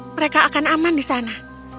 mereka akan aman di sana